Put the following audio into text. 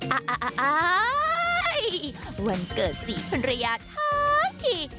อะอ้าลวันเกิดสี่คนระยะขาดที่